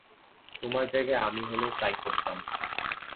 তোমার জায়গায় আমি হলেও তাই করতাম।